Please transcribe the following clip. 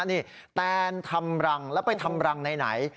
นี่แตนทำรังแล้วไปทำรังไหน